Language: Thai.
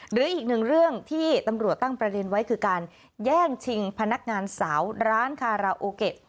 หรืออีกหนึ่งเรื่องที่ตำรวจตั้งประเด็นไว้คือการแย่งชิงพนักงานสาวร้านคาราโอเกะ